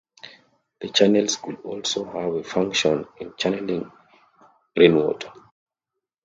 The channels could also have a function in channeling rainwater.